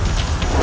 ayo kita berdua